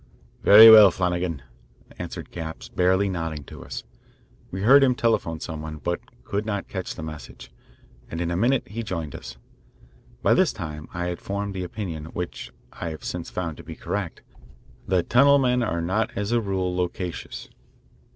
"Very well, Flanagan," answered Capps, barely nodding to us. We heard him telephone some one, but could not catch the message, and in a minute he joined us. By this time I had formed the opinion, which I have since found to be correct, that tunnel men are not as a rule loquacious.